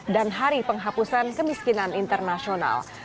dan hari penghapusan kemiskinan internasional